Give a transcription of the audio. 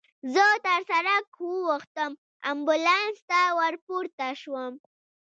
زه تر سړک واوښتم، امبولانس ته ورپورته شوم.